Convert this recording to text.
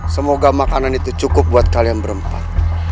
semoga makanan itu cukup buat kalian berempat